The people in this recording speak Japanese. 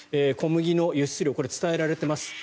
小麦の輸出量伝えられています。